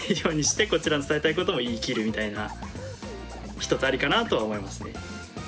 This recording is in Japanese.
一つありかなとは思いますね。